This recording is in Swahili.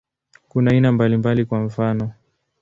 Kuna aina mbalimbali, kwa mfano.